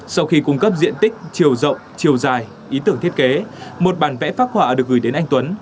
sau khi cung cấp diện tích chiều rộng chiều dài ý tưởng thiết kế một bản vẽ phát họa được gửi đến anh tuấn